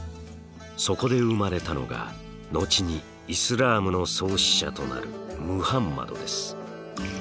そこで生まれたのが後にイスラームの創始者となるムハンマドです。